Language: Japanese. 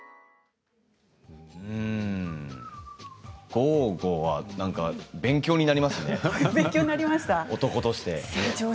ゴーゴは勉強になりますね、男として。